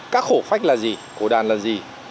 các khổ phách là gì khổ đàn là gì